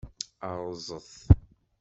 Rrẓet!